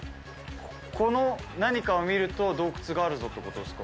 この何かを見ると洞窟があるぞってことですか？